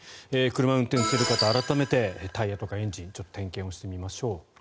車を運転する方改めてタイヤとかエンジンちょっと点検をしてみましょう。